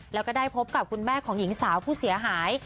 แล้วก็ได้พบกับคุณแม่ของหญิงสาวผู้เสียหาย